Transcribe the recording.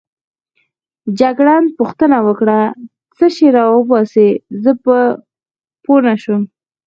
جګړن پوښتنه وکړه: څه شی راوباسې؟ زه پوه نه شوم.